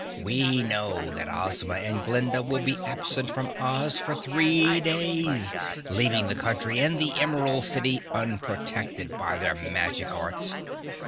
We know that Ozma and Glinda will be absent from Oz for three days, leaving the country and the Emerald City unprotected by their magic arts.